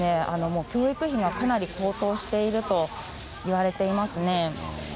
教育費がかなり高騰しているといわれていますね。